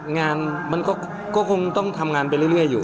งานมันก็คงต้องทำงานไปเรื่อยอยู่